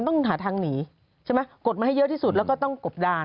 ต้องหาทางหนีใช่ไหมกดมาให้เยอะที่สุดแล้วก็ต้องกบดาน